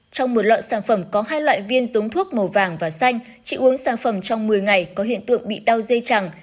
trong một loại sản phẩm có hai loại viên giống thuốc màu vàng và xanh chị uống sản phẩm trong một mươi ngày có hiện tượng bị đau dây chẳng